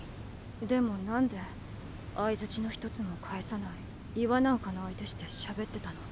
でも何で相槌の一つも返さない岩なんかの相手して喋ってたの？